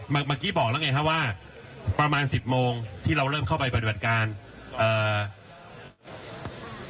เมื่อกี้บอกแล้วไงฮะว่าประมาณสิบโมงที่เราเริ่มเข้าไปปฏิบัติการเอ่อ